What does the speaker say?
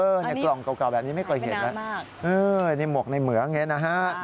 ในกล่องเก่าแบบนี้ไม่เคยเห็นแล้วนี่หมวกในเหมืองอย่างนี้นะฮะ